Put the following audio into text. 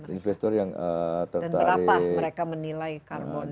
dan berapa mereka menilai karbon di mana